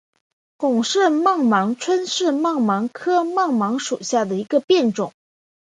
龚氏曼盲蝽为盲蝽科曼盲蝽属下的一个种。